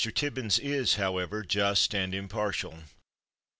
Tibbins is, however, just and impartial.